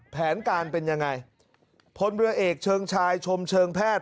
แผนการเป็นยังไงพลเรือเอกเชิงชายชมเชิงแพทย์